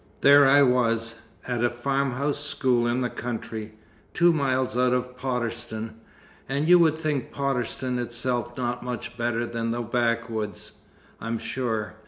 There I was, at a farmhouse school in the country, two miles out of Potterston and you would think Potterston itself not much better than the backwoods, I'm sure.